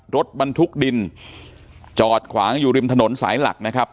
รถบรรทุกดินจอดขวางอยู่ริมถนนสายหลักนะครับ